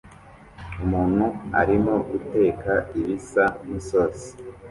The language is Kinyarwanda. Umuntu arimo guteka ibisa nkisosi